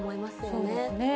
そうですね。